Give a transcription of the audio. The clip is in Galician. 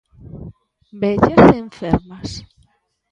Vellas e enfermas.